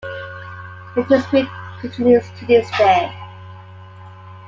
The dispute continues to this day.